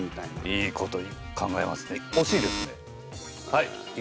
はい。